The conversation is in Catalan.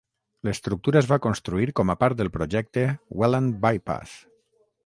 L'estructura es va construir com a part del projecte Welland By-Pass.